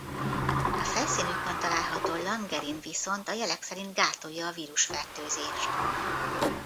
A felszínükön található langerin viszont a jelek szerint gátolja a vírusfertőzést.